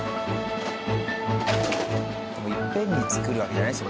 でもいっぺんに作るわけじゃないですもんね